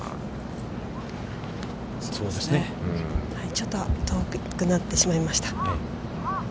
◆ちょっと遠くなってしまいました。